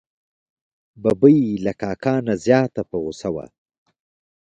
ببۍ له کاکا نه زیاته په غوسه وه.